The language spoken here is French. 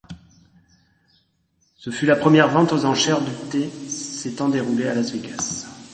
Ce fut la première vente aux enchères de thé s'étant déroulée à Las Vegas.